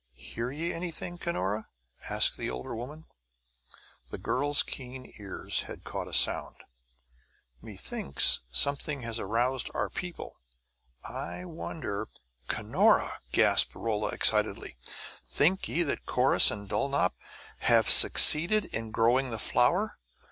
"Hear ye anything, Cunora?" asked the older woman. The girl's keen ears had caught a sound. "Methinks something hath aroused our people. I wonder " "Cunora!" gasped Rolla excitedly. "Think ye that Corrus and Dulnop have succeeded in growing the flower?"